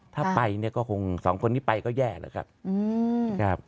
ถ้าไปก็คงสองคนที่ไปก็แย่แหละครับ